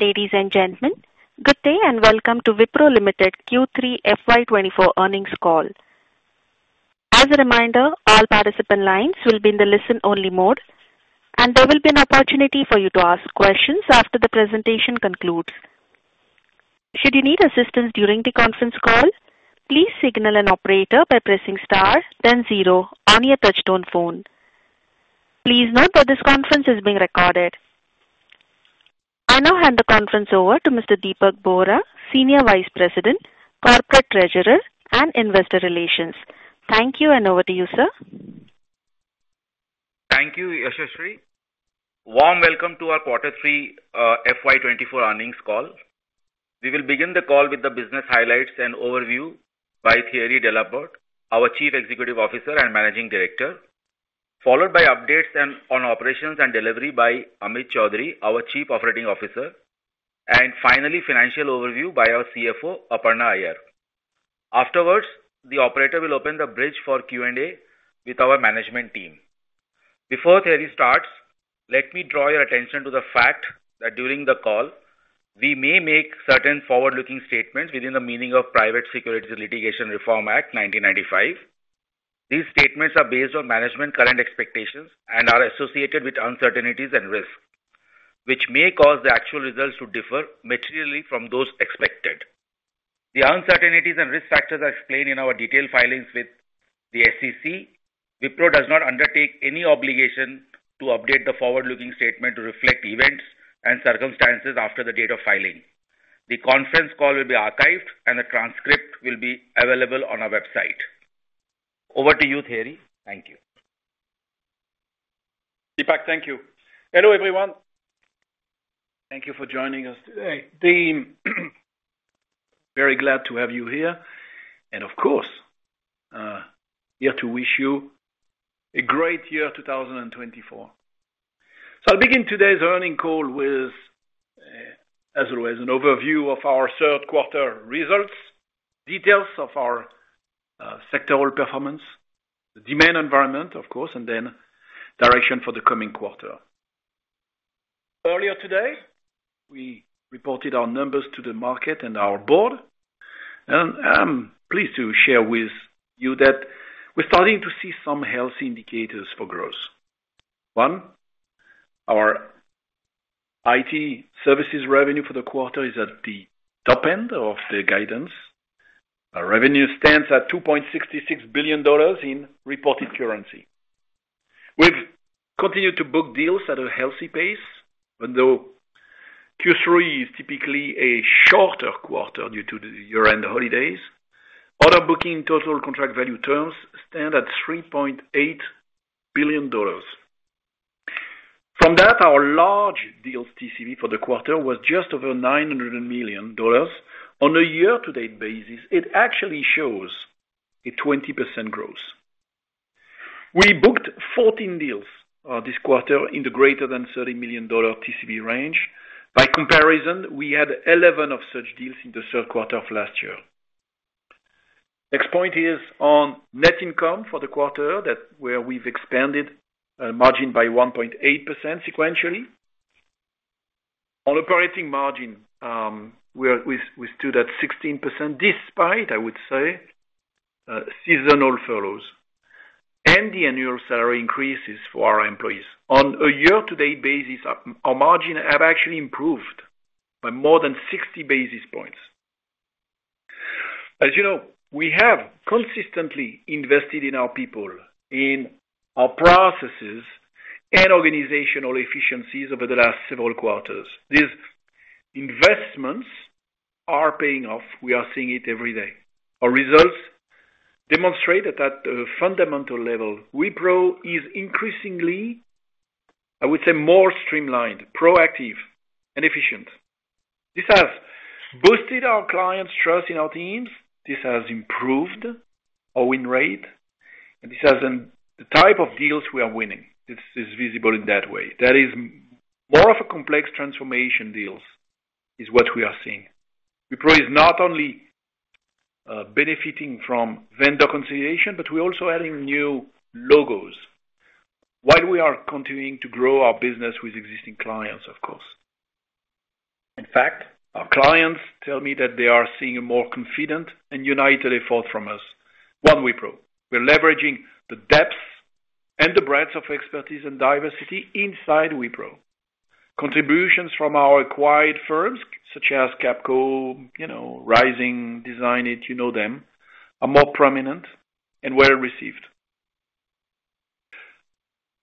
Ladies and gentlemen, good day, and welcome to Wipro Limited Q3 FY24 earnings call. As a reminder, all participant lines will be in the listen-only mode, and there will be an opportunity for you to ask questions after the presentation concludes. Should you need assistance during the conference call, please signal an operator by pressing star then zero on your touchtone phone. Please note that this conference is being recorded. I now hand the conference over to Mr. Dipak Bohra, Senior Vice President, Corporate Treasurer, and Investor Relations. Thank you, and over to you, sir. Thank you, Yashaswi. Warm welcome to our quarter three, FY 2024 earnings call. We will begin the call with the business highlights and overview by Thierry Delaporte, our Chief Executive Officer and Managing Director, followed by updates and on operations and delivery by Amit Choudhary, our Chief Operating Officer. Finally, financial overview by our CFO, Aparna Iyer. Afterwards, the operator will open the bridge for Q&A with our management team. Before Thierry starts, let me draw your attention to the fact that during the call, we may make certain forward-looking statements within the meaning of Private Securities Litigation Reform Act 1995. These statements are based on management current expectations and are associated with uncertainties and risks, which may cause the actual results to differ materially from those expected. The uncertainties and risk factors are explained in our detailed filings with the SEC. Wipro does not undertake any obligation to update the forward-looking statement to reflect events and circumstances after the date of filing. The conference call will be archived, and a transcript will be available on our website. Over to you, Thierry. Thank you. Dipak, thank you. Hello, everyone. Thank you for joining us today. Team, very glad to have you here, and of course, here to wish you a great year, 2024. So I'll begin today's earnings call with, as always, an overview of our Q3 results, details of our sectoral performance, the demand environment, of course, and then direction for the coming quarter. Earlier today, we reported our numbers to the market and our board, and I'm pleased to share with you that we're starting to see some healthy indicators for growth. One, our IT services revenue for the quarter is at the top end of the guidance. Our revenue stands at $2.66 billion in reported currency. We've continued to book deals at a healthy pace, although Q3 is typically a shorter quarter due to the year-end holidays. Order booking total contract value terms stand at $3.8 billion. From that, our large deals TCV for the quarter was just over $900 million. On a year-to-date basis, it actually shows a 20% growth. We booked 14 deals this quarter in the greater than $30 million TCV range. By comparison, we had 11 of such deals in the Q3 of last year. Next point is on net income for the quarter, that where we've expanded margin by 1.8% sequentially. On operating margin, we stood at 16%, despite, I would say, seasonal furloughs and the annual salary increases for our employees. On a year-to-date basis, our margin has actually improved by more than 60 basis points. As you know, we have consistently invested in our people, in our processes and organizational efficiencies over the last several quarters. These investments are paying off. We are seeing it every day. Our results demonstrate that at a fundamental level, Wipro is increasingly, I would say, more streamlined, proactive, and efficient. This has boosted our clients' trust in our teams. This has improved our win rate, and this has... The type of deals we are winning, this is visible in that way. That is more of a complex transformation deals is what we are seeing. Wipro is not only benefiting from vendor consolidation, but we're also adding new logos. While we are continuing to grow our business with existing clients, of course. In fact, our clients tell me that they are seeing a more confident and united effort from us, One Wipro. We're leveraging the depth and the breadth of expertise and diversity inside Wipro. Contributions from our acquired firms, such as Capco, you know, Rizing, Designit, you know them, are more prominent and well-received.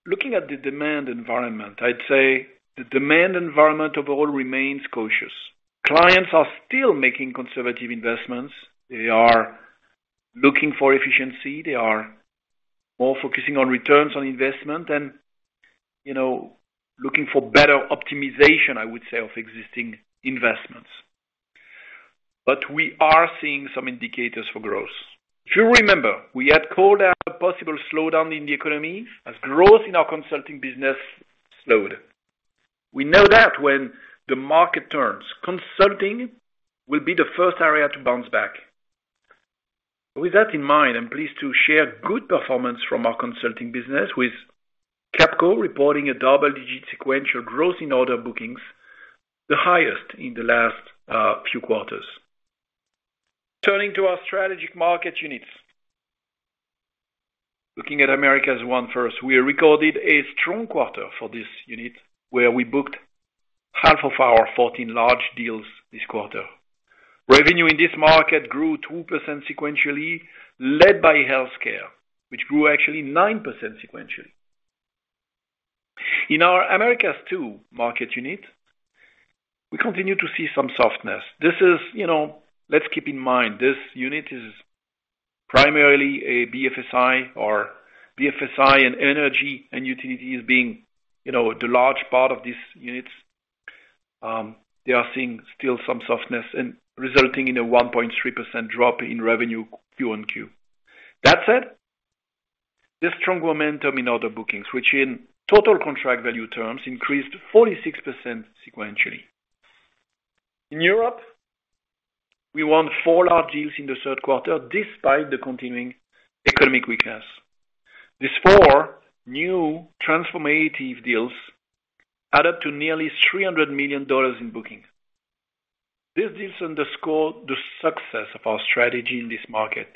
Looking at the demand environment, I'd say the demand environment overall remains cautious. Clients are still making conservative investments. They are looking for efficiency. They are more focusing on returns on investment and, you know, looking for better optimization, I would say, of existing investments. But we are seeing some indicators for growth. If you remember, we had called out a possible slowdown in the economy as growth in our consulting business slowed. We know that when the market turns, consulting will be the first area to bounce back. With that in mind, I'm pleased to share good performance from our consulting business, with Capco reporting a double-digit sequential growth in order bookings, the highest in the last few quarters. Turning to our strategic market units. Looking at Americas One first, we recorded a strong quarter for this unit, where we booked half of our 14 large deals this quarter. Revenue in this market grew 2% sequentially, led by healthcare, which grew actually 9% sequentially. In our Americas Two market unit, we continue to see some softness. This is, you know, let's keep in mind, this unit is primarily a BFSI or BFSI and energy and utilities being, you know, the large part of these units. They are seeing still some softness and resulting in a 1.3% drop in revenue Q1Q. That said, there's strong momentum in order bookings, which in total contract value terms increased 46% sequentially. In Europe, we won four large deals in the Q3, despite the continuing economic weakness. These four new transformative deals add up to nearly $300 million in bookings. These deals underscore the success of our strategy in this market.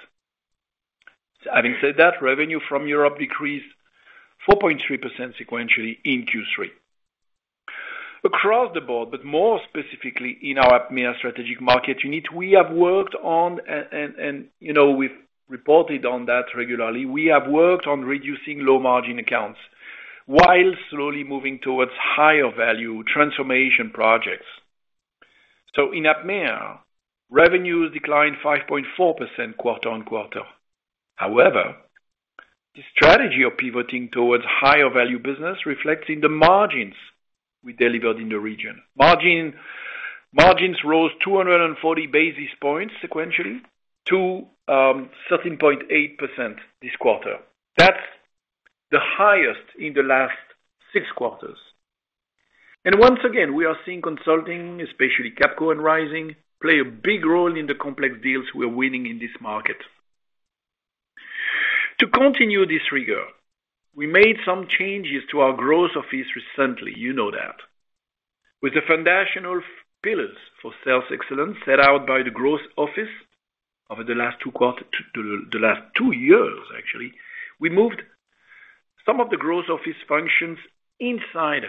Having said that, revenue from Europe decreased 4.3% sequentially in Q3. Across the board, but more specifically in our APMEA strategic market unit, we have worked on, you know, we've reported on that regularly. We have worked on reducing low-margin accounts while slowly moving towards higher value transformation projects. So in APMEA, revenues declined 5.4% quarter-on-quarter. However, the strategy of pivoting towards higher value business reflects in the margins we delivered in the region. Margins rose 240 basis points sequentially to 13.8% this quarter. That's the highest in the last six quarters. Once again, we are seeing consulting, especially Capco and Rizing, play a big role in the complex deals we are winning in this market. To continue this rigor, we made some changes to our growth office recently, you know that. With the foundational pillars for sales excellence set out by the growth office over the last two years, actually, we moved some of the growth office functions inside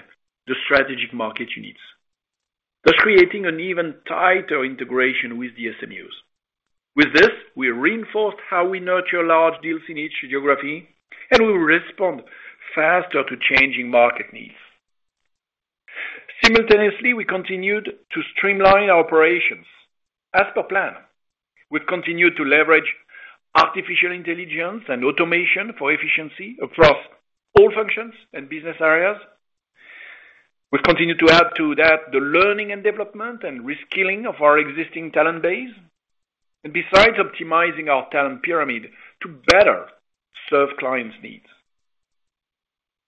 the strategic market units, thus creating an even tighter integration with the SMUs. With this, we reinforced how we nurture large deals in each geography, and we will respond faster to changing market needs. Simultaneously, we continued to streamline our operations as per plan. We've continued to leverage artificial intelligence and automation for efficiency across all functions and business areas. We've continued to add to that the learning and development and reskilling of our existing talent base, and besides optimizing our talent pyramid to better serve clients' needs.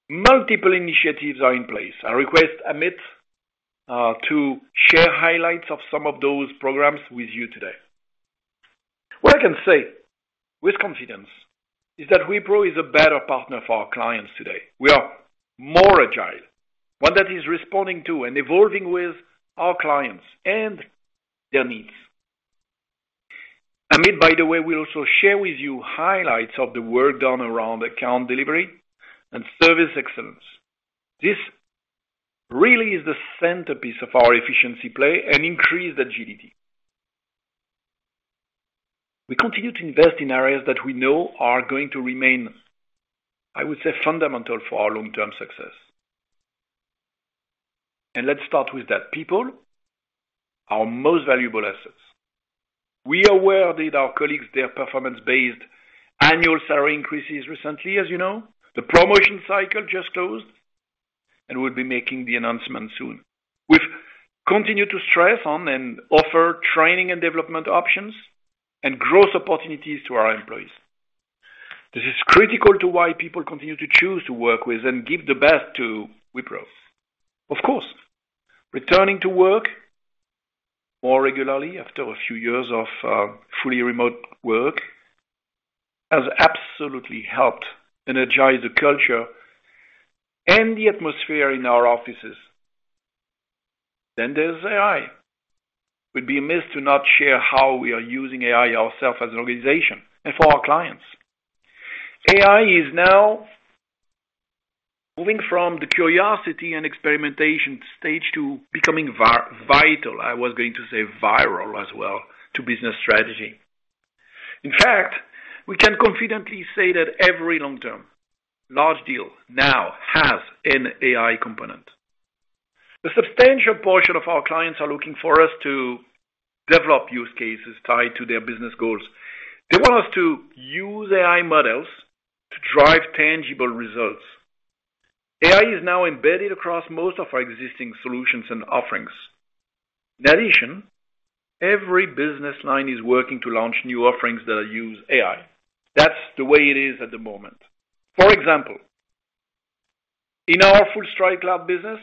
Multiple initiatives are in place. I request Amit to share highlights of some of those programs with you today. What I can say with confidence is that Wipro is a better partner for our clients today. We are more agile, one that is responding to and evolving with our clients and their needs. Amit, by the way, will also share with you highlights of the work done around account delivery and service excellence. This really is the centerpiece of our efficiency play and increased agility. We continue to invest in areas that we know are going to remain, I would say, fundamental for our long-term success. Let's start with that. People, our most valuable assets. We awarded our colleagues their performance-based annual salary increases recently, as you know. The promotion cycle just closed, and we'll be making the announcement soon. We've continued to stress on and offer training and development options and growth opportunities to our employees. This is critical to why people continue to choose to work with and give the best to Wipro. Of course, returning to work more regularly after a few years of fully remote work has absolutely helped energize the culture and the atmosphere in our offices. Then there's AI. We'd be amiss to not share how we are using AI ourselves as an organization and for our clients. AI is now moving from the curiosity and experimentation stage to becoming vital. I was going to say viral as well, to business strategy. In fact, we can confidently say that every long-term, large deal now has an AI component. A substantial portion of our clients are looking for us to develop use cases tied to their business goals. They want us to use AI models to drive tangible results. AI is now embedded across most of our existing solutions and offerings. In addition, every business line is working to launch new offerings that use AI. That's the way it is at the moment. For example, in our FullStride Cloud business,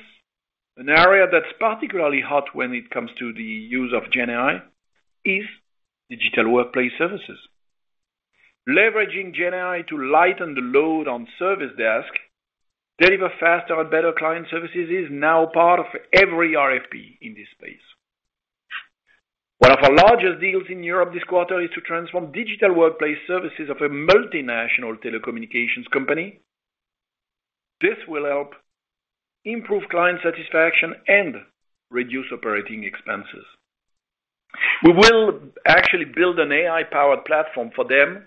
an area that's particularly hot when it comes to the use of GenAI is digital workplace services. Leveraging GenAI to lighten the load on service desk, deliver faster and better client services is now part of every RFP in this space. One of our largest deals in Europe this quarter is to transform digital workplace services of a multinational telecommunications company. This will help improve client satisfaction and reduce operating expenses. We will actually build an AI-powered platform for them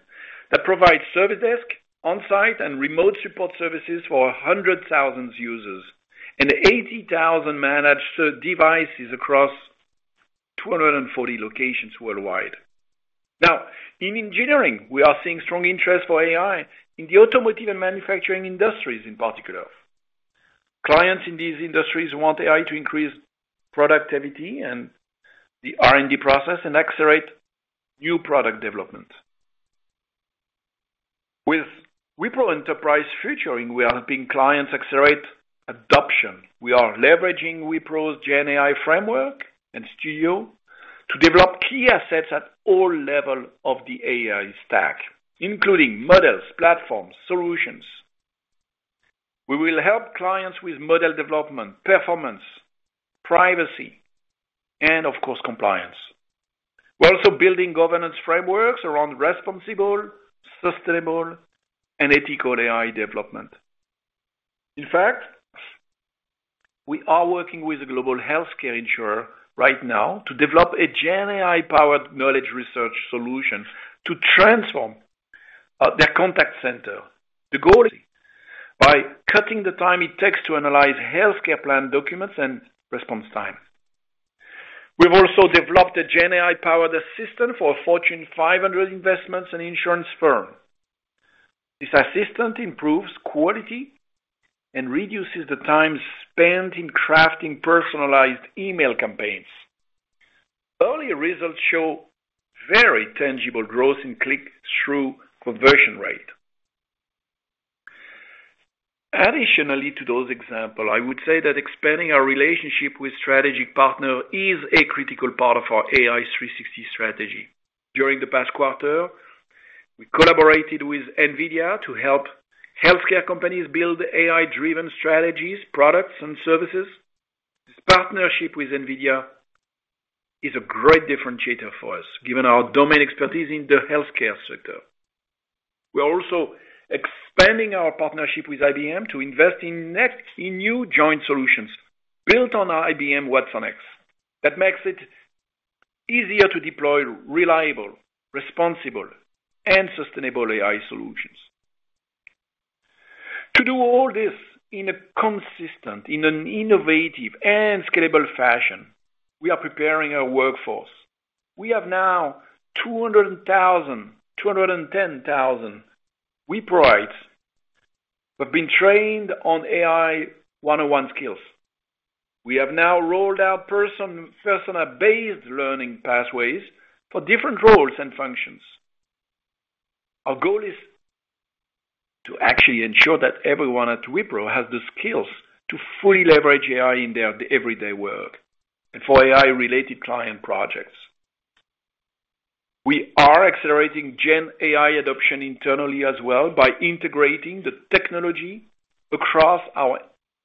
that provides service desk, on-site, and remote support services for 100,000 users and 80,000 managed devices across 240 locations worldwide. Now, in engineering, we are seeing strong interest for AI in the automotive and manufacturing industries in particular. Clients in these industries want AI to increase productivity and the R&D process and accelerate new product development. With Wipro Enterprise Futuring, we are helping clients accelerate adoption. We are leveraging Wipro's GenAI framework and studio to develop key assets at all level of the AI stack, including models, platforms, solutions. We will help clients with model development, performance, privacy, and of course, compliance. We're also building governance frameworks around responsible, sustainable, and ethical AI development. In fact, we are working with a global healthcare insurer right now to develop a GenAI-powered knowledge research solution to transform their contact center. The goal is by cutting the time it takes to analyze healthcare plan documents and response time. We've also developed a GenAI-powered assistant for a Fortune 500 investments and insurance firm. This assistant improves quality and reduces the time spent in crafting personalized email campaigns. Early results show very tangible growth in click-through conversion rate. Additionally, to those example, I would say that expanding our relationship with strategic partner is a critical part of our AI 360 strategy. During the past quarter, we collaborated with NVIDIA to help healthcare companies build AI-driven strategies, products, and services. This partnership with NVIDIA is a great differentiator for us, given our domain expertise in the healthcare sector. We are also expanding our partnership with IBM to invest in next, in new joint solutions built on IBM watsonx. That makes it easier to deploy reliable, responsible, and sustainable AI solutions. To do all this in a consistent, in an innovative, and scalable fashion, we are preparing our workforce. We have now 200,000, 210,000 Wiproites who have been trained on AI one-on-one skills. We have now rolled out persona-based learning pathways for different roles and functions. Our goal is to actually ensure that everyone at Wipro has the skills to fully leverage AI in their everyday work and for AI-related client projects. We are accelerating GenAI adoption internally as well by integrating the technology across our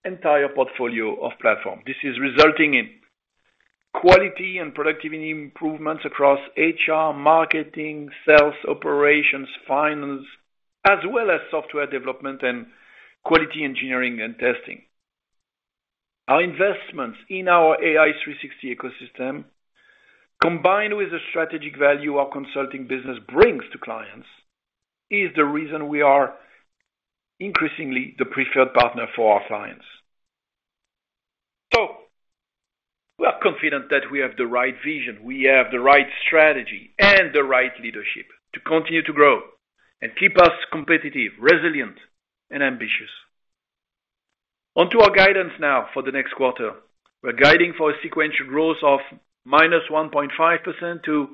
entire portfolio of platform. This is resulting in quality and productivity improvements across HR, marketing, sales, operations, finance, as well as software development and quality engineering and testing. Our investments in our AI 360 ecosystem, combined with the strategic value our consulting business brings to clients, is the reason we are increasingly the preferred partner for our clients. So we are confident that we have the right vision, we have the right strategy, and the right leadership to continue to grow and keep us competitive, resilient, and ambitious. On to our guidance now for the next quarter. We're guiding for a sequential growth of -1.5% to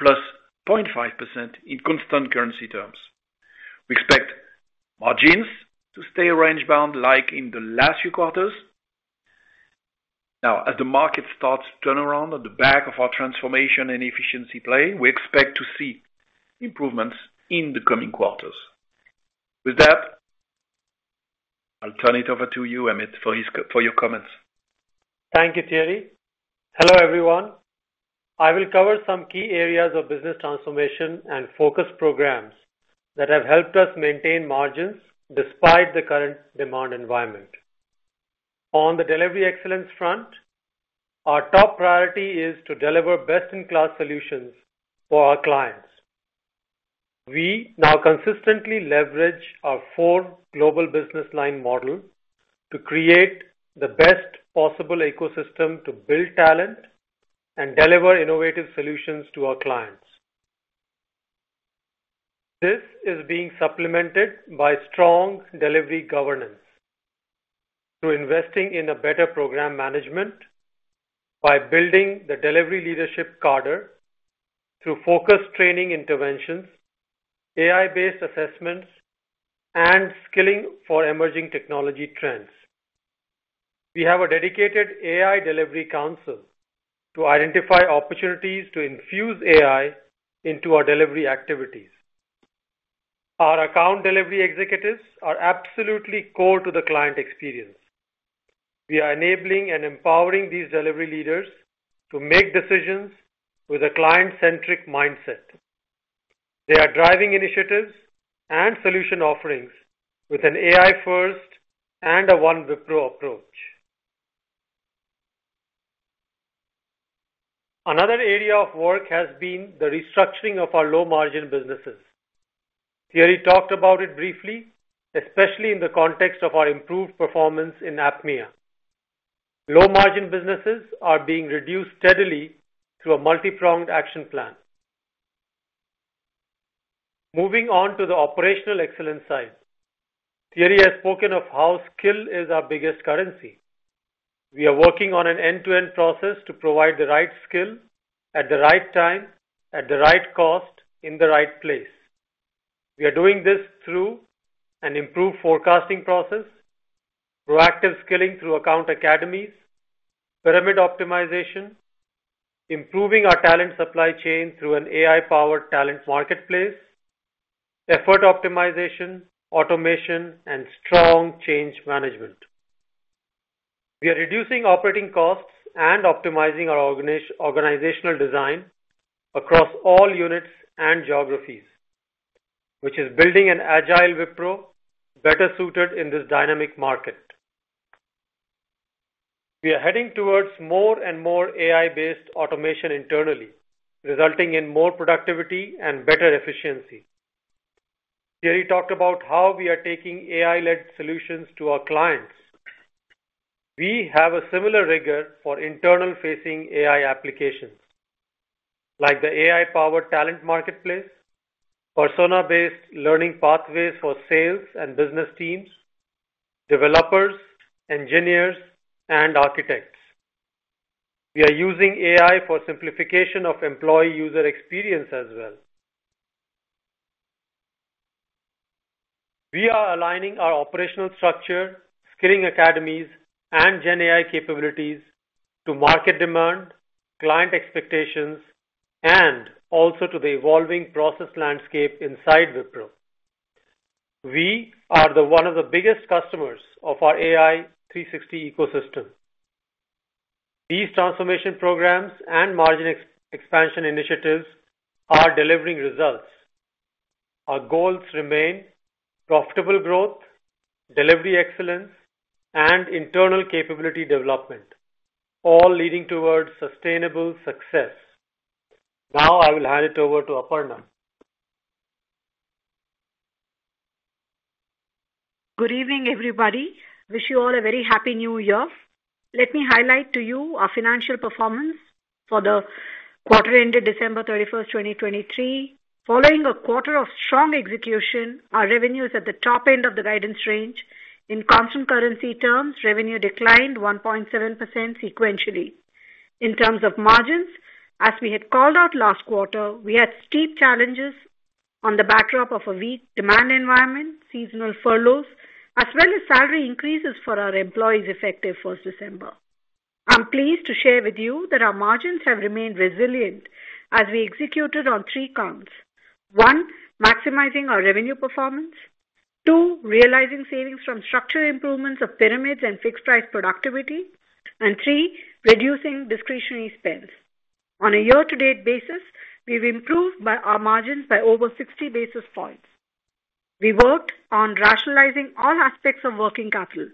+0.5% in constant currency terms. We expect margins to stay range-bound like in the last few quarters. Now, as the market starts to turn around on the back of our transformation and efficiency play, we expect to see improvements in the coming quarters. With that, I'll turn it over to you, Amit, for your comments. Thank you, Thierry. Hello, everyone. I will cover some key areas of business transformation and focus programs that have helped us maintain margins despite the current demand environment. On the delivery excellence front, our top priority is to deliver best-in-class solutions for our clients. We now consistently leverage our four global business line model to create the best possible ecosystem to build talent and deliver innovative solutions to our clients. This is being supplemented by strong delivery governance, through investing in a better program management by building the delivery leadership cadre through focused training interventions, AI-based assessments, and skilling for emerging technology trends. We have a dedicated AI delivery council to identify opportunities to infuse AI into our delivery activities. Our account delivery executives are absolutely core to the client experience. We are enabling and empowering these delivery leaders to make decisions with a client-centric mindset. They are driving initiatives and solution offerings with an AI first and a One Wipro approach. Another area of work has been the restructuring of our low-margin businesses. Thierry talked about it briefly, especially in the context of our improved performance in APMEA. Low-margin businesses are being reduced steadily through a multi-pronged action plan. Moving on to the operational excellence side, Thierry has spoken of how skill is our biggest currency. We are working on an end-to-end process to provide the right skill, at the right time, at the right cost, in the right place. We are doing this through an improved forecasting process, proactive skilling through account academies, pyramid optimization, improving our talent supply chain through an AI-powered talent marketplace, effort optimization, automation, and strong change management. We are reducing operating costs and optimizing our organizational design across all units and geographies, which is building an agile Wipro better suited in this dynamic market. We are heading towards more and more AI-based automation internally, resulting in more productivity and better efficiency. Thierry talked about how we are taking AI-led solutions to our clients. We have a similar rigor for internal-facing AI applications, like the AI-powered talent marketplace, persona-based learning pathways for sales and business teams, developers, engineers, and architects. We are using AI for simplification of employee user experience as well. We are aligning our operational structure, skilling academies, and GenAI capabilities to market demand, client expectations, and also to the evolving process landscape inside Wipro. We are the one of the biggest customers of our AI 360 ecosystem. These transformation programs and margin expansion initiatives are delivering results. Our goals remain profitable growth, delivery excellence, and internal capability development, all leading towards sustainable success. Now I will hand it over to Aparna. Good evening, everybody. Wish you all a very happy new year. Let me highlight to you our financial performance for the quarter ended December 31, 2023. Following a quarter of strong execution, our revenue is at the top end of the guidance range. In constant currency terms, revenue declined 1.7% sequentially. In terms of margins, as we had called out last quarter, we had steep challenges on the backdrop of a weak demand environment, seasonal furloughs, as well as salary increases for our employees, effective December 1. I'm pleased to share with you that our margins have remained resilient as we executed on three counts: One, maximizing our revenue performance. Two, realizing savings from structural improvements of pyramids and fixed price productivity. And three, reducing discretionary spends. On a year-to-date basis, we've improved our margins by over 60 basis points. We worked on rationalizing all aspects of working capital.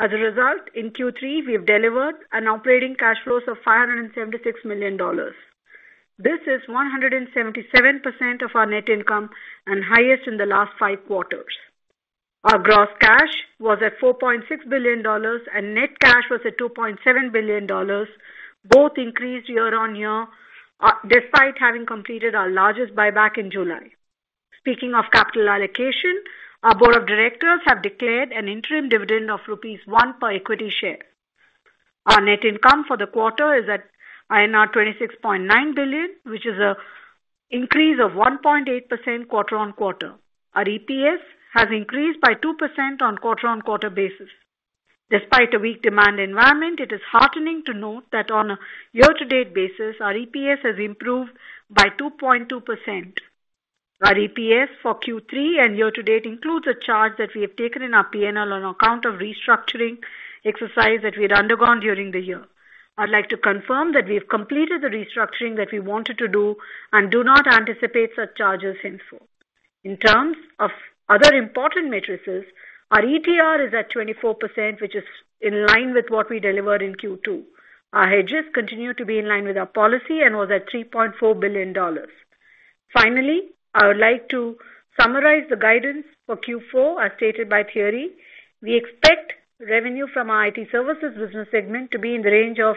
As a result, in Q3, we've delivered an operating cash flows of $576 million. This is 177% of our net income and highest in the last five quarters. Our gross cash was at $4.6 billion, and net cash was at $2.7 billion, both increased year-on-year, despite having completed our largest buyback in July. Speaking of capital allocation, our board of directors have declared an interim dividend of rupees 1 per equity share. Our net income for the quarter is at INR 26.9 billion, which is a increase of 1.8% quarter-on-quarter. Our EPS has increased by 2% on quarter-on-quarter basis. Despite a weak demand environment, it is heartening to note that on a year-to-date basis, our EPS has improved by 2.2%. Our EPS for Q3 and year to date includes a charge that we have taken in our P&L on account of restructuring exercise that we had undergone during the year. I'd like to confirm that we have completed the restructuring that we wanted to do and do not anticipate such charges in full. In terms of other important metrics, our ETR is at 24%, which is in line with what we delivered in Q2. Our hedges continue to be in line with our policy and was at $3.4 billion. Finally, I would like to summarize the guidance for Q4 as stated by Thierry. We expect revenue from our IT services business segment to be in the range of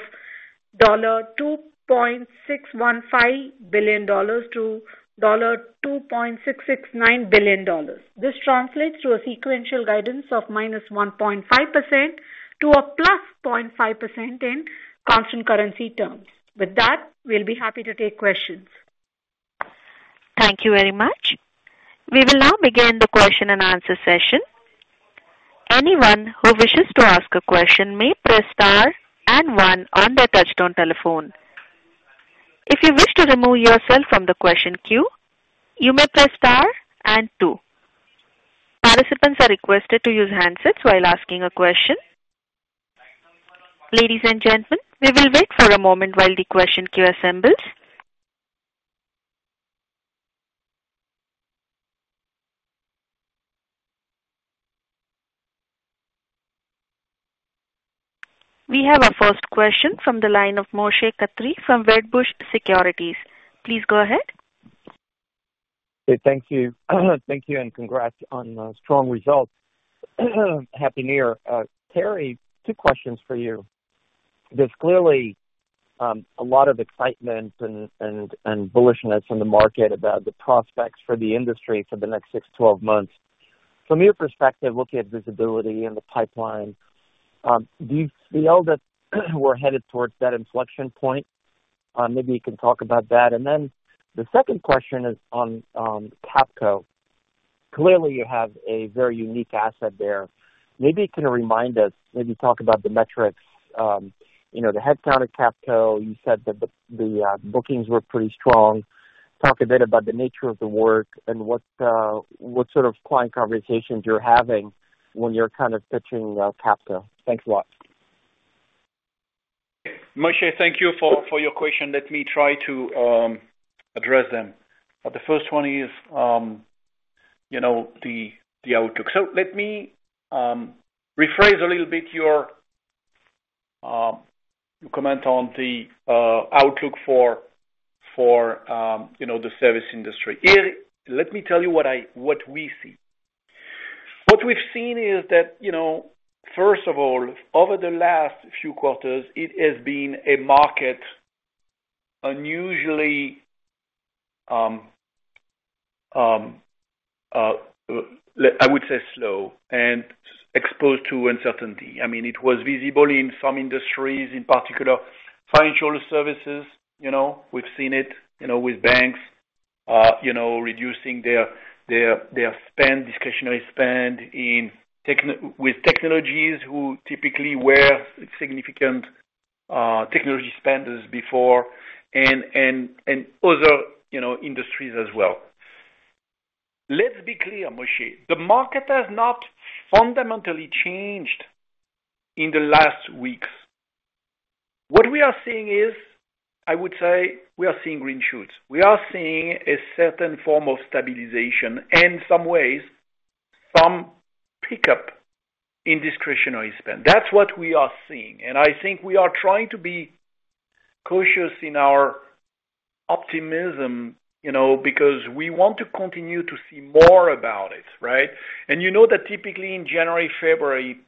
$2.615 billion-$2.669 billion. This translates to a sequential guidance of -1.5% to +0.5% in constant currency terms. With that, we'll be happy to take questions. ...Thank you very much. We will now begin the question and answer session. Anyone who wishes to ask a question may press star and one on their touchtone telephone. If you wish to remove yourself from the question queue, you may press star and two. Participants are requested to use handsets while asking a question. Ladies and gentlemen, we will wait for a moment while the question queue assembles. We have our first question from the line of Moshe Katri from Wedbush Securities. Please go ahead. Thank you. Thank you, and congrats on strong results. Happy New Year. Thierry, 2 questions for you. There's clearly a lot of excitement and bullishness on the market about the prospects for the industry for the next 6-12 months. From your perspective, looking at visibility in the pipeline, do you feel that we're headed towards that inflection point? Maybe you can talk about that. And then the second question is on Capco. Clearly, you have a very unique asset there. Maybe you can remind us, maybe talk about the metrics, you know, the headcount at Capco. You said that the bookings were pretty strong. Talk a bit about the nature of the work and what sort of client conversations you're having when you're kind of pitching Capco. Thanks a lot. Moshe, thank you for your question. Let me try to address them. The first one is, you know, the outlook. So let me rephrase a little bit your comment on the outlook for, you know, the service industry. Here, let me tell you what we see. What we've seen is that, you know, first of all, over the last few quarters, it has been a market unusually, I would say slow and exposed to uncertainty. I mean, it was visible in some industries, in particular, financial services, you know, we've seen it, you know, with banks, you know, reducing their spend, discretionary spend in technology with technologies who typically were significant, technology spenders before and other, you know, industries as well. Let's be clear, Moshe, the market has not fundamentally changed in the last weeks. What we are seeing is, I would say we are seeing green shoots. We are seeing a certain form of stabilization and in some ways, some pickup in discretionary spend. That's what we are seeing, and I think we are trying to be cautious in our optimism, you know, because we want to continue to see more about it, right? You know that typically in January, February,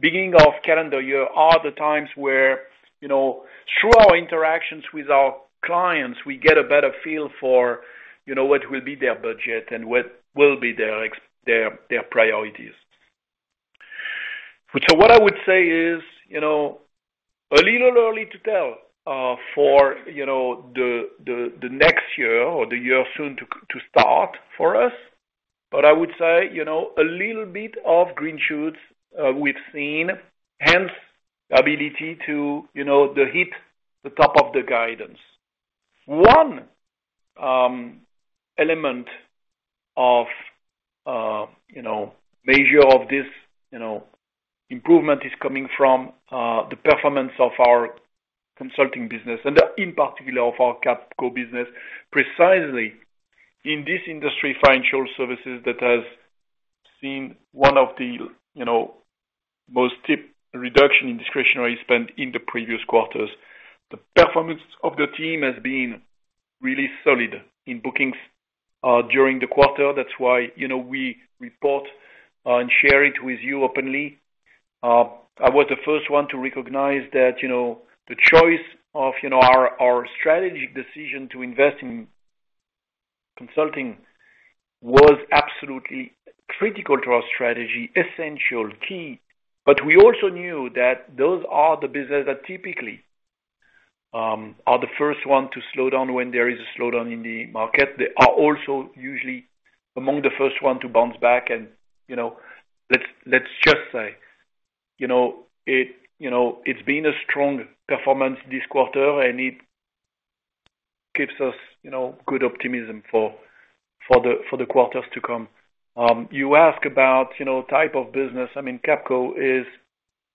beginning of calendar year, are the times where, you know, through our interactions with our clients, we get a better feel for, you know, what will be their budget and what will be their priorities. So what I would say is, you know, a little early to tell, for, you know, the next year or the year soon to start for us, but I would say, you know, a little bit of green shoots we've seen, hence the ability to, you know, hit the top of the guidance. One element of, you know, measure of this, you know, improvement is coming from the performance of our consulting business and in particular, of our Capco business, precisely in this industry, financial services, that has seen one of the, you know, most steep reduction in discretionary spend in the previous quarters. The performance of the team has been really solid in bookings during the quarter. That's why, you know, we report and share it with you openly. I was the first one to recognize that, you know, the choice of, you know, our, our strategy decision to invest in consulting was absolutely critical to our strategy, essential, key. But we also knew that those are the businesses that typically are the first one to slow down when there is a slowdown in the market. They are also usually among the first one to bounce back. And, you know, let's, let's just say, you know, it, you know, it's been a strong performance this quarter, and it keeps us, you know, good optimism for, for the, for the quarters to come. You ask about, you know, type of business. I mean, Capco is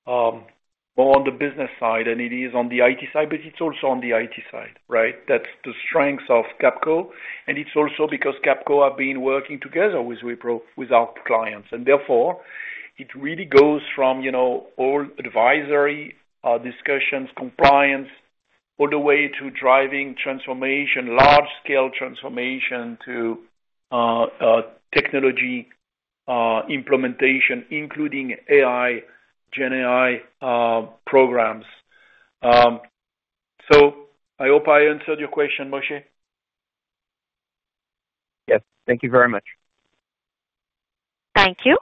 more on the business side than it is on the IT side, but it's also on the IT side, right? That's the strength of Capco, and it's also because Capco have been working together with Wipro, with our clients, and therefore, it really goes from, you know, all advisory, discussions, compliance, all the way to driving transformation, large-scale transformation to technology implementation, including AI, GenAI, programs. So I hope I answered your question, Moshe. Yes. Thank you very much. Thank you.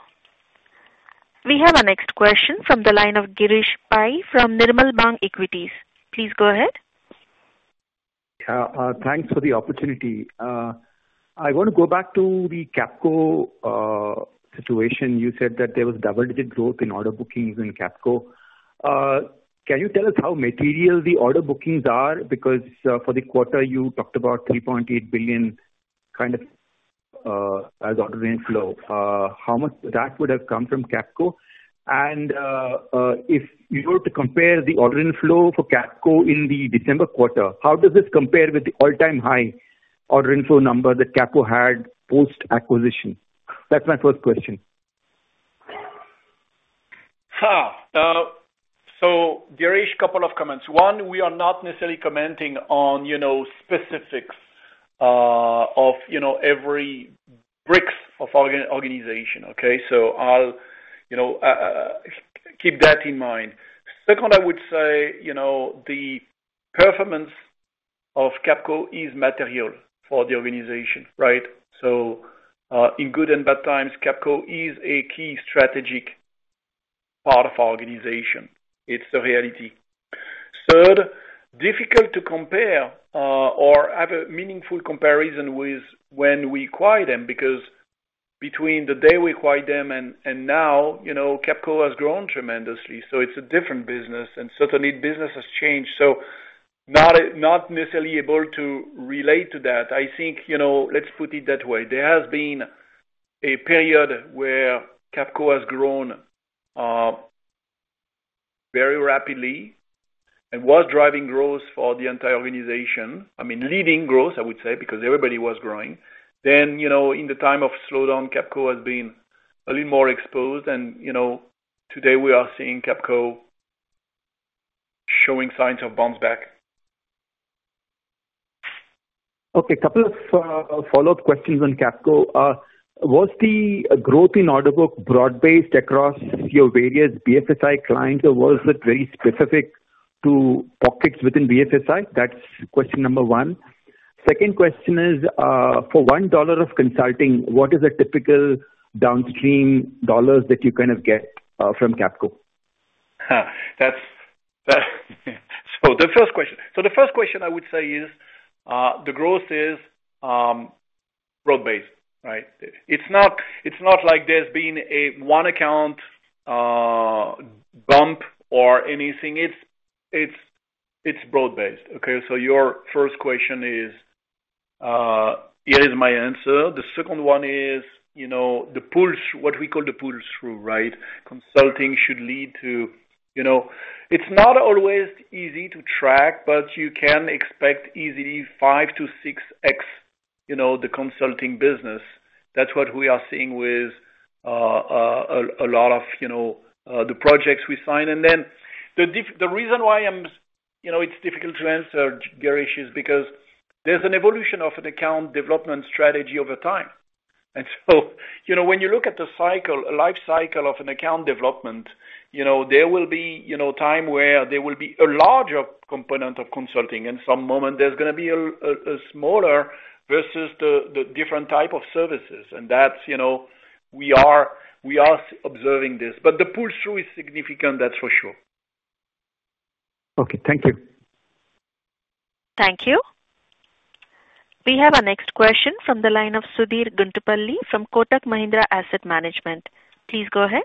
We have our next question from the line of Girish Pai from Nirmal Bang Equities. Please go ahead. Thanks for the opportunity. I want to go back to the Capco situation. You said that there was double-digit growth in order bookings in Capco. Can you tell us how material the order bookings are? Because, for the quarter, you talked about $3.8 billion, kind of, as order inflow. How much that would have come from Capco? And, if you were to compare the order inflow for Capco in the December quarter, how does this compare with the all-time high order inflow number that Capco had post-acquisition? That's my first question. So Girish, couple of comments. One, we are not necessarily commenting on, you know, specifics of, you know, every bricks of our organization, okay? So I'll, you know, keep that in mind. Second, I would say, you know, the performance of Capco is material for the organization, right? So, in good and bad times, Capco is a key strategic part of our organization. It's the reality. Third, difficult to compare or have a meaningful comparison with when we acquired them, because between the day we acquired them and now, you know, Capco has grown tremendously. So it's a different business, and certainly business has changed. So not necessarily able to relate to that. I think, you know, let's put it that way. There has been a period where Capco has grown, very rapidly and was driving growth for the entire organization. I mean, leading growth, I would say, because everybody was growing. Then, you know, in the time of slowdown, Capco has been a little more exposed and, you know, today we are seeing Capco showing signs of bounce back. Okay, a couple of follow-up questions on Capco. Was the growth in order book broad-based across your various BFSI clients, or was it very specific to pockets within BFSI? That's question number one. Second question is, for $1 of consulting, what is the typical downstream dollars that you kind of get, from Capco? So the first question I would say is, the growth is, broad-based, right? It's not, it's not like there's been a one account, bump or anything. It's, it's, it's broad-based. Okay, so your first question is, here is my answer. The second one is, you know, the pull, what we call the pull-through, right? Consulting should lead to... You know, it's not always easy to track, but you can expect easily 5-6x, you know, the consulting business. That's what we are seeing with, a lot of, you know, the projects we sign. And then, the reason why I'm, you know, it's difficult to answer, Girish, is because there's an evolution of an account development strategy over time. So, you know, when you look at the cycle, a life cycle of an account development, you know, there will be, you know, time where there will be a larger component of consulting, and some moment there's gonna be a smaller versus the different type of services. And that's, you know, we are observing this. But the pull-through is significant, that's for sure. Okay, thank you. Thank you. We have our next question from the line of Sudheer Guntupalli from Kotak Mahindra Asset Management. Please go ahead.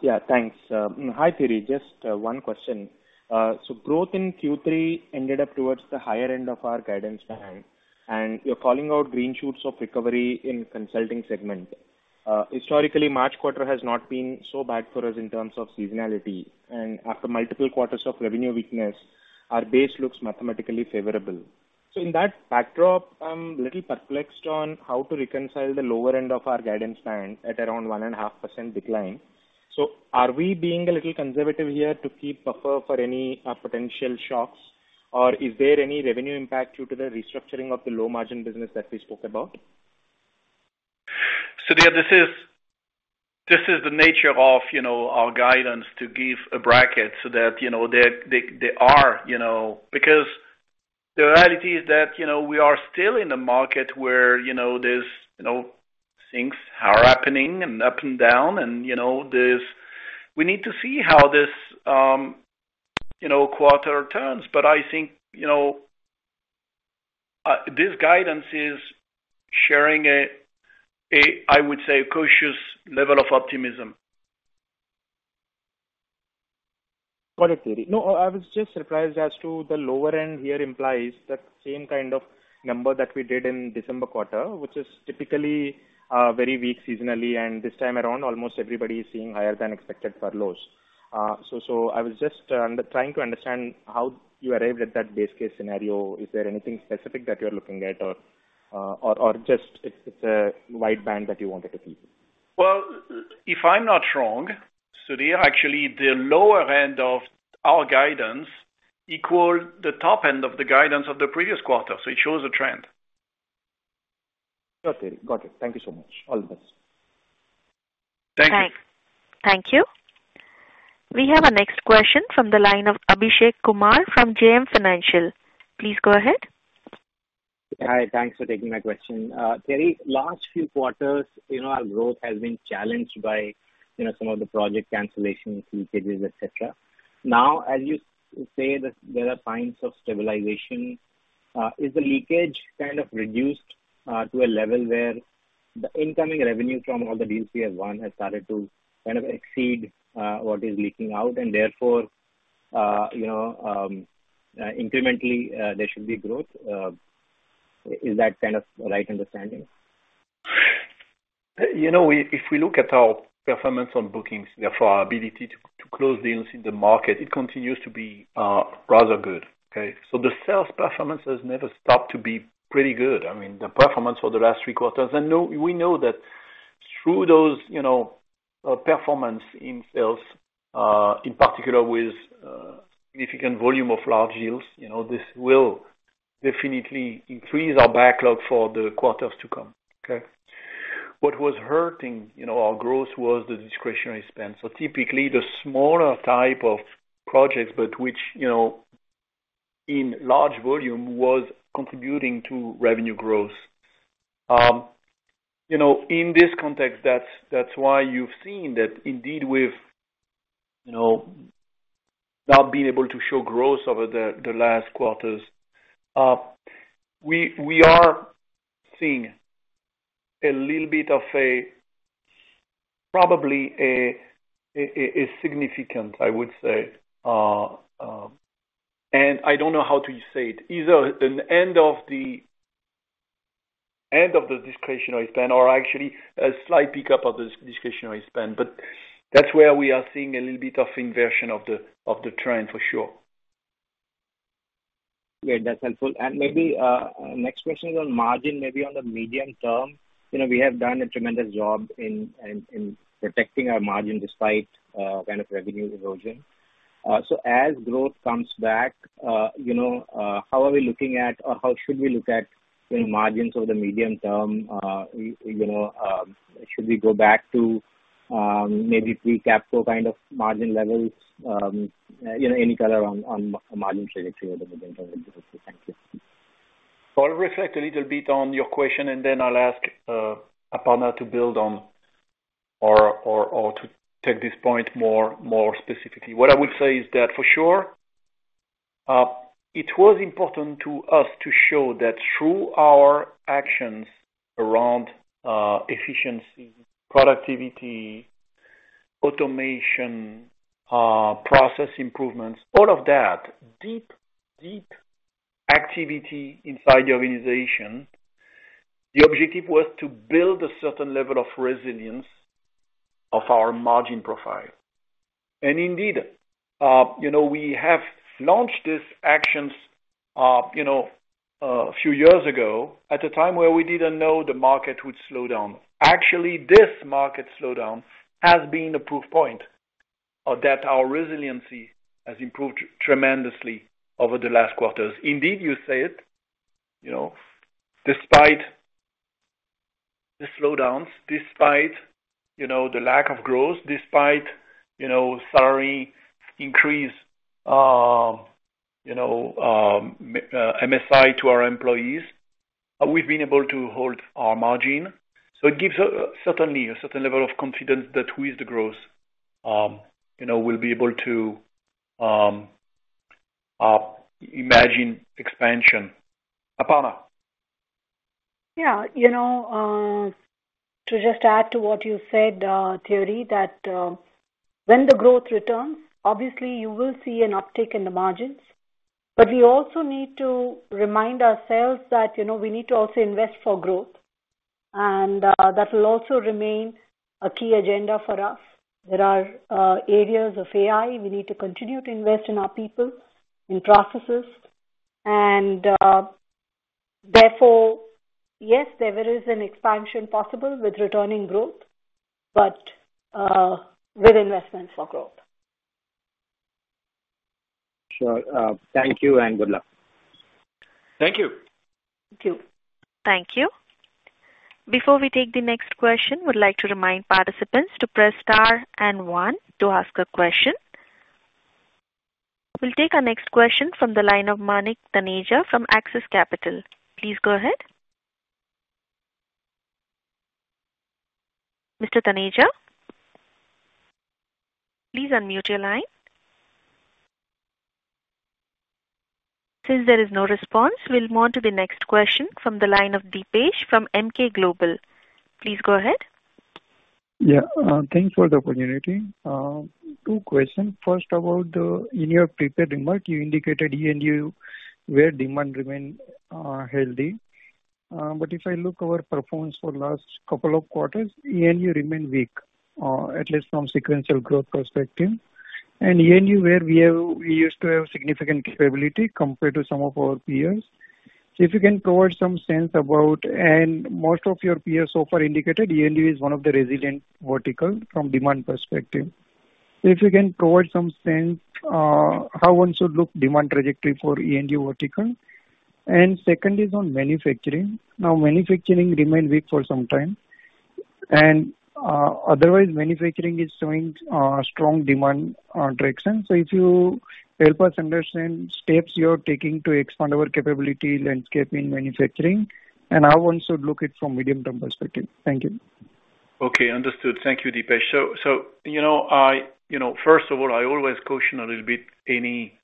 Yeah, thanks. Hi, Thierry. Just one question. So growth in Q3 ended up towards the higher end of our guidance time, and you're calling out green shoots of recovery in consulting segment. Historically, March quarter has not been so bad for us in terms of seasonality, and after multiple quarters of revenue weakness, our base looks mathematically favorable. So in that backdrop, I'm a little perplexed on how to reconcile the lower end of our guidance time at around 1.5% decline. So are we being a little conservative here to keep buffer for any potential shocks? Or is there any revenue impact due to the restructuring of the low-margin business that we spoke about? Sudheer, this is the nature of, you know, our guidance to give a bracket so that, you know, there, there are, you know. Because the reality is that, you know, we are still in a market where, you know, there's, you know, things are happening and up and down and, you know, there's we need to see how this, you know, quarter turns. But I think, you know, this guidance is sharing a, a, I would say, a cautious level of optimism. Got it, Thierry. No, I was just surprised as to the lower end here implies that same kind of number that we did in December quarter, which is typically very weak seasonally, and this time around, almost everybody is seeing higher than expected furloughs. So, I was just trying to understand how you arrived at that base case scenario. Is there anything specific that you're looking at or just it's a wide band that you wanted to keep? Well, if I'm not wrong, Sudheer, actually, the lower end of our guidance equal the top end of the guidance of the previous quarter, so it shows a trend. Got it, Thierry. Got it. Thank you so much. All the best.... Thank you. We have our next question from the line of Abhishek Kumar from JM Financial. Please go ahead. Hi, thanks for taking my question. Very large few quarters, you know, our growth has been challenged by, you know, some of the project cancellations, leakages, et cetera. Now, as you say, that there are signs of stabilization, is the leakage kind of reduced to a level where the incoming revenue from all the deals we have won has started to kind of exceed what is leaking out, and therefore, you know, incrementally, there should be growth? Is that kind of the right understanding? You know, if we look at our performance on bookings, therefore our ability to close deals in the market, it continues to be rather good, okay? So the sales performance has never stopped to be pretty good. I mean, the performance for the last three quarters. We know that through those, you know, performance in sales, in particular with significant volume of large deals, you know, this will definitely increase our backlog for the quarters to come, okay? What was hurting, you know, our growth was the discretionary spend. So typically the smaller type of projects, but which, you know, in large volume, was contributing to revenue growth. You know, in this context, that's why you've seen that indeed with, you know, not being able to show growth over the last quarters. We are seeing a little bit of a, probably a significant, I would say, and I don't know how to say it. Either an end of the discretionary spend or actually a slight pickup of the discretionary spend. But that's where we are seeing a little bit of inversion of the trend for sure. Yeah, that's helpful. Maybe next question is on margin, maybe on the medium term. You know, we have done a tremendous job in protecting our margin despite kind of revenue erosion. So as growth comes back, you know, how are we looking at or how should we look at the margins over the medium term? You know, should we go back to maybe pre-Capco kind of margin levels? You know, any color on margin trajectory over the medium term? Thank you. I'll reflect a little bit on your question, and then I'll ask Aparna to build on or to take this point more specifically. What I would say is that for sure, it was important to us to show that through our actions around efficiency, productivity, automation, process improvements, all of that, deep, deep activity inside the organization, the objective was to build a certain level of resilience of our margin profile. And indeed, you know, we have launched these actions, you know, a few years ago, at a time where we didn't know the market would slow down. Actually, this market slowdown has been a proof point of that our resiliency has improved tremendously over the last quarters. Indeed, you say it, you know, despite the slowdowns, despite, you know, the lack of growth, despite, you know, sorry, increase, you know, MSI to our employees, we've been able to hold our margin. So it gives a certain level of confidence that with the growth, you know, we'll be able to margin expansion. Aparna? Yeah, you know, to just add to what you said, Thierry, that, when the growth returns, obviously you will see an uptick in the margins. But we also need to remind ourselves that, you know, we need to also invest for growth, and, that will also remain a key agenda for us. There are, areas of AI. We need to continue to invest in our people, in processes, and, therefore, yes, there is an expansion possible with returning growth, but, with investment for growth. Sure. Thank you and good luck. Thank you. Thank you. Thank you. Before we take the next question, we'd like to remind participants to press Star and One to ask a question. We'll take our next question from the line of Manik Taneja from Axis Capital. Please go ahead. Mr. Taneja, please unmute your line. Since there is no response, we'll move on to the next question from the line of Dipesh from MK Global. Please go ahead. Yeah, thanks for the opportunity. Two questions. First, about the, in your prepared remarks, you indicated E&U, where demand remain healthy. But if I look over performance for last couple of quarters, E&U remain weak, at least from sequential growth perspective. And E&U, where we used to have significant capability compared to some of our peers. So if you can provide some sense about, and most of your peers so far indicated, E&U is one of the resilient vertical from demand perspective. If you can provide some sense, how one should look demand trajectory for E&U vertical. And second is on manufacturing. Now, manufacturing remained weak for some time, and otherwise manufacturing is showing strong demand direction. So if you help us understand steps you are taking to expand our capability, landscaping, manufacturing, and how one should look it from medium-term perspective? Thank you. Okay, understood. Thank you, Dipesh. So, you know, I... You know, first of all, I always caution a little bit any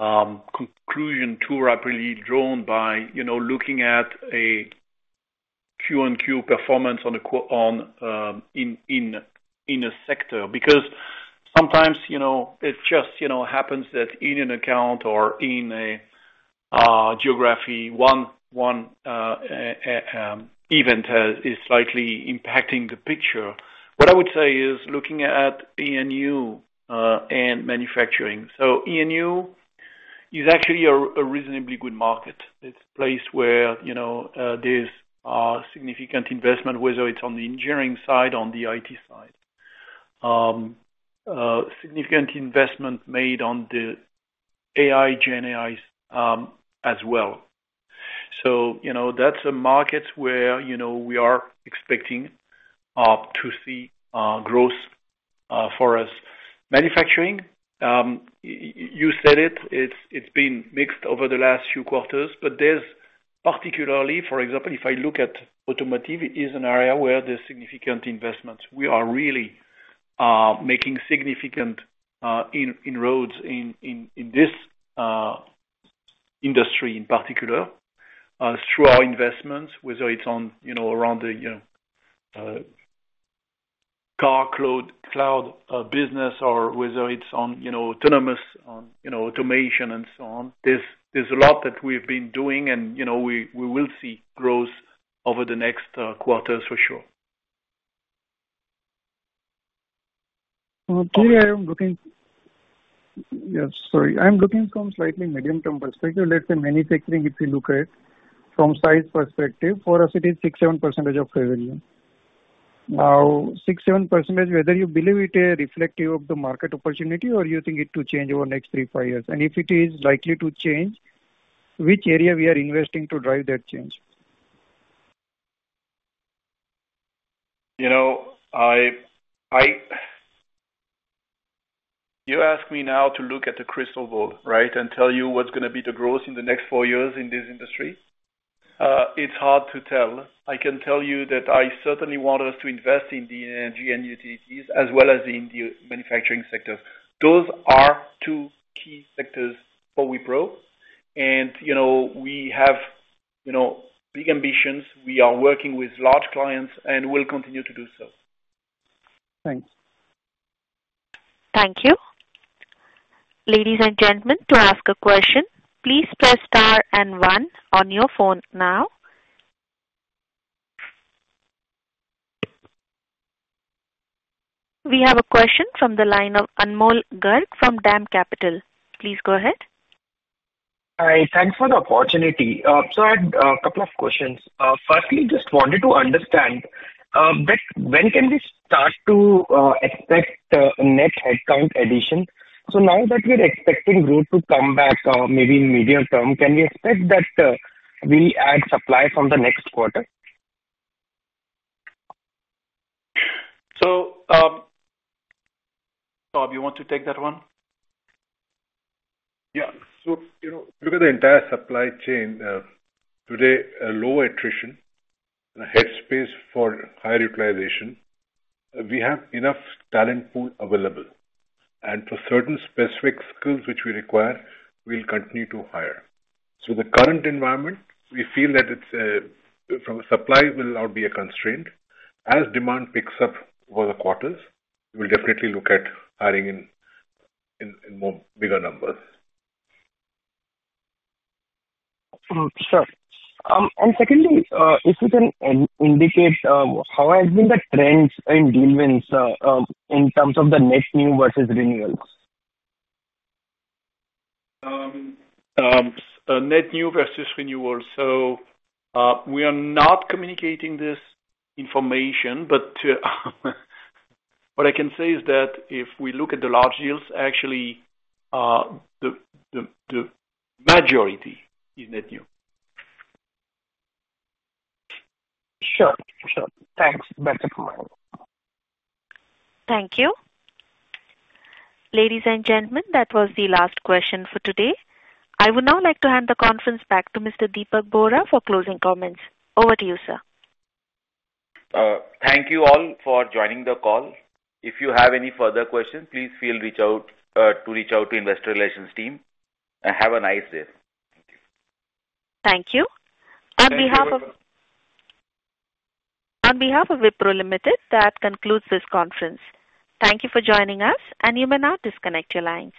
conclusion too rapidly drawn by, you know, looking at a Q on Q performance in a sector. Because sometimes, you know, it just, you know, happens that in an account or in a geography, one event is slightly impacting the picture. What I would say is looking at E&U and manufacturing. So E&U is actually a reasonably good market. It's a place where, you know, there's significant investment, whether it's on the engineering side, on the IT side. Significant investment made on the AI, GenAI, as well. So, you know, that's a market where, you know, we are expecting to see growth for us. Manufacturing, you said it, it's been mixed over the last few quarters, but, particularly, for example, if I look at automotive, it is an area where there's significant investments. We are really making significant inroads in this industry in particular through our investments, whether it's on, you know, around the, you know, car cloud business or whether it's on, you know, autonomous, on, you know, automation and so on. There's a lot that we've been doing and, you know, we will see growth over the next quarters for sure. Okay, I am looking... Yes, sorry. I'm looking from slightly medium-term perspective. Let's say, manufacturing, if you look at from size perspective, for us it is 6%-7% of revenue. Now, 6%-7%, whether you believe it is reflective of the market opportunity or you think it to change over the next 3-5 years? And if it is likely to change, which area we are investing to drive that change? You know, you ask me now to look at the crystal ball, right? And tell you what's gonna be the growth in the next four years in this industry. It's hard to tell. I can tell you that I certainly want us to invest in the Energy and Utilities, as well as in the manufacturing sector. Those are two key sectors for Wipro. And, you know, we have, you know, big ambitions. We are working with large clients, and we'll continue to do so. Thanks. Thank you. Ladies and gentlemen, to ask a question, please press star and one on your phone now. We have a question from the line of Anmol Garg from DAM Capital. Please go ahead. Hi. Thanks for the opportunity. So I had a couple of questions. Firstly, just wanted to understand that when can we start to expect net headcount addition? So now that we're expecting growth to come back, maybe in medium term, can we expect that we add supply from the next quarter? So, Bob, you want to take that one? Yeah. So, you know, look at the entire supply chain today, a low attrition and a head space for high utilization. We have enough talent pool available, and for certain specific skills which we require, we'll continue to hire. So the current environment, we feel that it's from a supply will not be a constraint. As demand picks up over the quarters, we'll definitely look at hiring in more bigger numbers. Sure. And secondly, if you can indicate how has been the trends in dealings in terms of the net new versus renewals? Net new versus renewals. So, we are not communicating this information, but what I can say is that if we look at the large deals, actually, the majority is net new. Sure. Sure. Thanks. That's clear. Thank you. Ladies and gentlemen, that was the last question for today. I would now like to hand the conference back to Mr. Dipak Bohra for closing comments. Over to you, sir. Thank you all for joining the call. If you have any further questions, please feel free to reach out to the investor relations team, and have a nice day. Thank you. Thank you. Thank you. On behalf of Wipro Limited, that concludes this conference. Thank you for joining us, and you may now disconnect your lines.